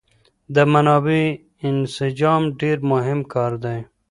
د منابعو انسجام ډېر مهم کار دی.